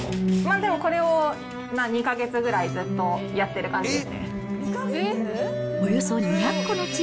でもこれを２か月ぐらいずっとやってる感じです。